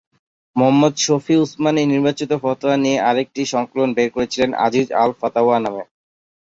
মুহাম্মদ শফি উসমানি নির্বাচিত ফতোয়া নিয়ে আরেকটি সংকলন বের করেছিলেন "আজিজ আল-ফাতাওয়া" নামে।